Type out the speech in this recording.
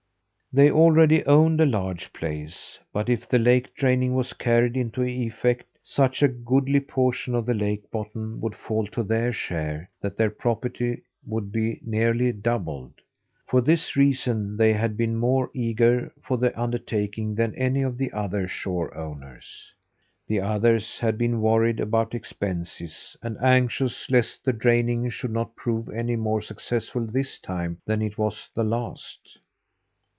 They already owned a large place, but if the lake draining was carried into effect, such a goodly portion of the lake bottom would fall to their share that their property would be nearly doubled. For this reason they had been more eager for the undertaking than any of the other shore owners. The others had been worried about expenses, and anxious lest the draining should not prove any more successful this time than it was the last.